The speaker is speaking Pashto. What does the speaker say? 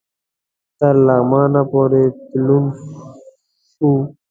تر لغمانه پوري تلون سو